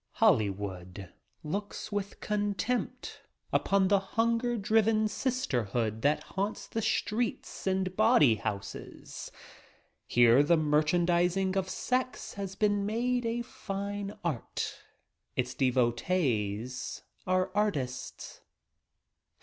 Hollywood looks with contempt upon the hun ger driven sisterhood that haunts the streets and bawdy houses. Here the merchandizing of sex has been made a fine art — its devotees are artists.